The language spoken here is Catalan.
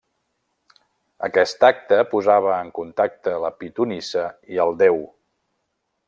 Aquest acte posava en contacte la pitonissa i el déu.